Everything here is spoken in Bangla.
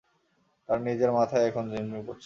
তার নিজের মাথাই এখন বিমঝিম করছে।